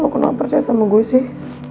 aku kenapa percaya sama gue sih